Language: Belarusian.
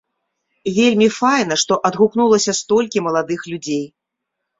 Вельмі файна, што адгукнулася столькі маладых людзей.